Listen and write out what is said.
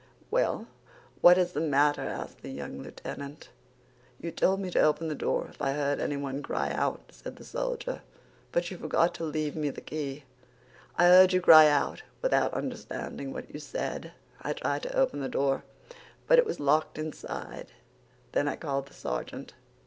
"Well, what is the matter?" asked the young lieutenant. "You told me to open the door if I heard anyone cry out," said the soldier; "but you forgot to leave me the key. I heard you cry out, without understanding what you said. I tried to open the door, but it was locked inside; then I called the sergeant."